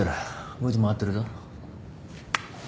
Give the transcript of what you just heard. ５時回ってるぞ。